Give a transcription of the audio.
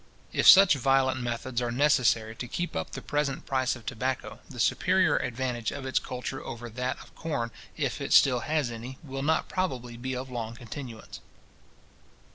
If such violent methods are necessary to keep up the present price of tobacco, the superior advantage of its culture over that of corn, if it still has any, will not probably be of long continuance.